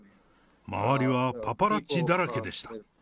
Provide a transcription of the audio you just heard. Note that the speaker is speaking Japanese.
周りはパパラッチだらけでした。